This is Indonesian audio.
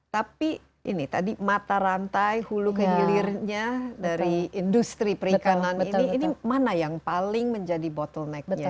tapi ini tadi mata rantai hulu ke hilirnya dari industri perikanan ini ini mana yang paling menjadi bottlenecknya